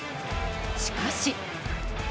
しかし。